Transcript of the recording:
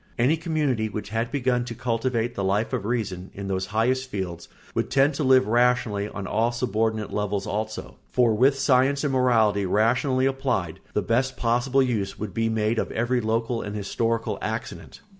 Any community which had begun to cultivate the Life of Reason in those highest fields would tend to live rationally on all subordinate levels also; for with science and morality rationally applied the best possible use would be made of every local and historical accident.